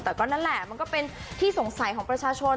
แต่ก็นั่นแหละมันก็เป็นที่สงสัยของประชาชน